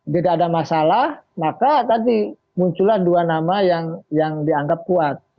tidak ada masalah maka tadi munculan dua nama yang dianggap kuat